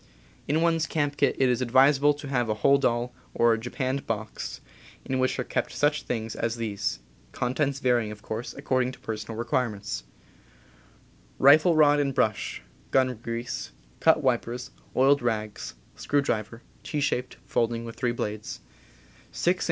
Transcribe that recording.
In one's camp kit it is advisable to have a holdall, or a japanned box, in which are kept such things as • TT j. these (contents varying, of course, ac ^ cording to personal requirements): Rifle rod and brush, gun grease, cut wipers, oiled rags, screw driver (T shaped, folding, with 3 blades), 6 in.